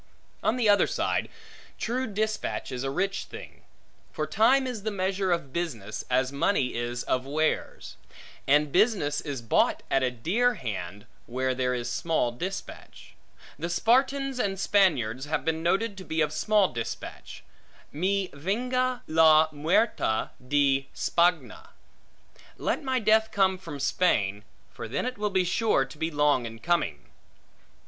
On the other side, true dispatch is a rich thing. For time is the measure of business, as money is of wares; and business is bought at a dear hand, where there is small dispatch. The Spartans and Spaniards have been noted to be of small dispatch; Mi venga la muerte de Spagna; Let my death come from Spain; for then it will be sure to be long in coming.